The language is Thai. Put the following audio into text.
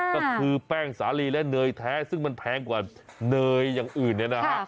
ก็คือแป้งสาลีและเนยแท้ซึ่งมันแพงกว่าเนยอย่างอื่นเนี่ยนะฮะ